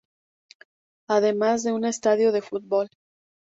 Además de un estadio de fútbol.